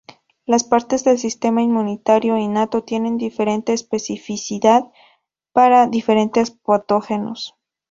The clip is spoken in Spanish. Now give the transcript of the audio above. Las partes del sistema inmunitario innato tienen diferente especificidad para diferentes patógenos.